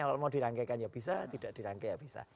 kalau mau dirangkaikan ya bisa tidak dirangkai ya bisa